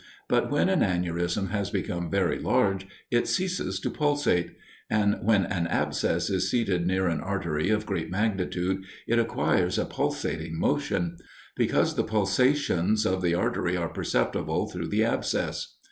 But when an aneurism has become very large, it ceases to pulsate; and when an abscess is seated near an artery of great magnitude, it acquires a pulsating motion; because the pulsations of the artery are perceptible through the abscess.